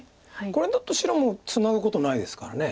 これだと白もツナぐことないですから。